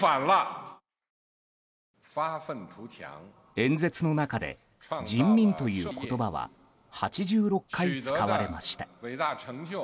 演説の中で人民という言葉は８６回使われました。